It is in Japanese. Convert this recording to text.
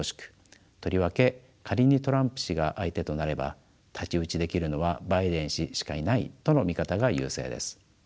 とりわけ仮にトランプ氏が相手となれば太刀打ちできるのはバイデン氏しかいないとの見方が優勢です。